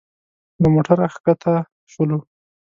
له موټره ښکته شولو.